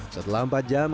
setelah empat jam